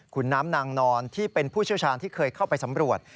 คุณน้ำนางนอนที่เป็นผู้เชี่ยวชาญที่เคยเข้าไปสำรวจ